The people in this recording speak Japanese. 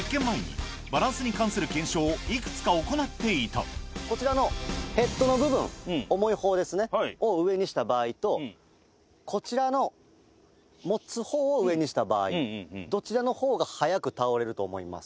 実はを幾つか行っていたこちらのヘッドの部分重い方を上にした場合とこちらの持つ方を上にした場合どちらの方が早く倒れると思いますか？